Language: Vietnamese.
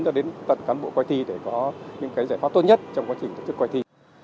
cho đến tận cán bộ quay thi để có những giải pháp tốt nhất trong quá trình tập trung quay thi